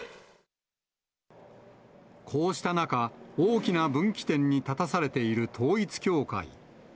こうした中、大きな分岐点に立たされている統一教会。